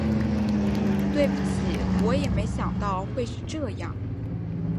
对不起，我也没想到会是这样